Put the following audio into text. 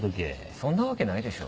そんなわけないでしょ。